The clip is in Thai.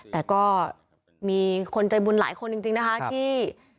แต่ก็มีคนใจบุญหลายคนจริงนะคะที่